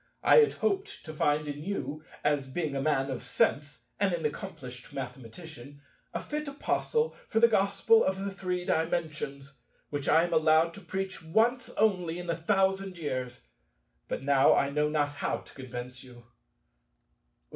I had hoped to find in you—as being a man of sense and an accomplished mathematician—a fit apostle for the Gospel of the Three Dimensions, which I am allowed to preach once only in a thousand years: but now I know not how to convince you.